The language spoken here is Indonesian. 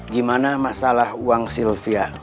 gimana masalah uang sylvia